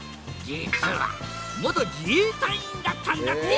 実は元自衛隊員だったんだって！